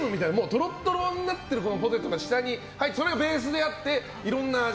とろっとろになってるポテトが下にあってそれがベースであっていろんな味